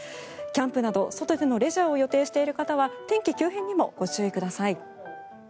キャンプなど外でのレジャーを予定している方は天気急変にもご注意ください。